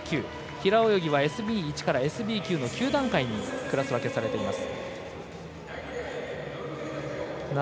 平泳ぎはＳＢ１からＳＢ９の９段階にクラス分けされています。